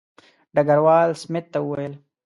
ډګروال سمیت ته وویل شو.